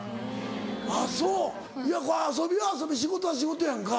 あっそういや遊びは遊び仕事は仕事やんか。